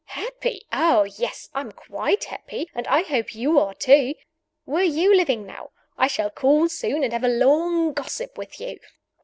Happy? Oh, yes! I'm quite happy; and I hope you are, too. Where are you living now? I shall call soon, and have a long gossip with you.